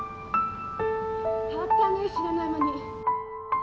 変わったね知らない間に。